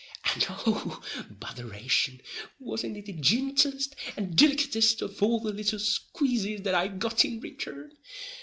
and och, botheration, wasn't it the gentaalest and dilikittest of all the little squazes that I got in return?